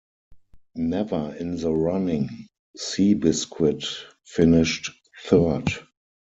Never in the running, Seabiscuit finished third.